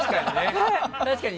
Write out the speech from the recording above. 確かに。